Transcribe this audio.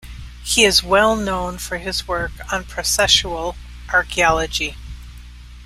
He is well known for his work on processual archaeology.